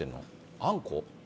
あんこ？